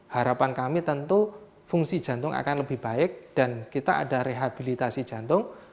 harapan kami tentu fungsi jantung akan lebih baik dan kita ada rehabilitasi jantung